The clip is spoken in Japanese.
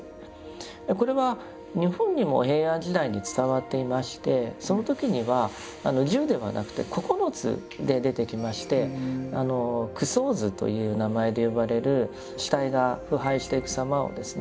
これは日本にも平安時代に伝わっていましてその時には十ではなくて九つで出てきまして「九相図」という名前で呼ばれる死体が腐敗していくさまをですね